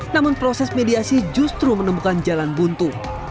namun proses mediasi justru menemukan jalan buntu